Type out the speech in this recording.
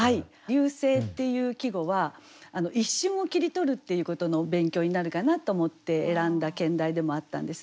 「流星」っていう季語は一瞬を切り取るっていうことの勉強になるかなと思って選んだ兼題でもあったんですね。